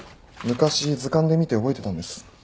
昔図鑑で見て覚えてたんです。